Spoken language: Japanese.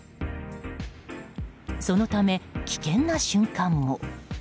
そのため、危険な瞬間も。